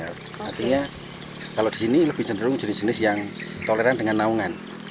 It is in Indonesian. artinya kalau di sini lebih cenderung jenis jenis yang toleran dengan naungan